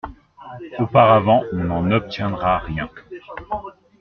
Auparavant on n'en obtiendra rien.